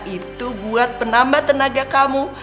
itu buat penambah tenaga kamu